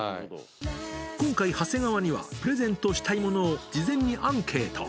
今回、長谷川にはプレゼントしたいものを事前にアンケート。